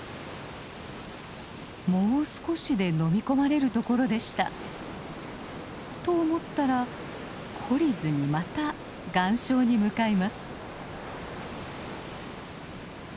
もう少しでのみ込まれるところでした。と思ったら懲りずにまた岩礁に向かいます。